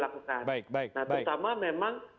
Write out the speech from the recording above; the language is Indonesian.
nah terutama memang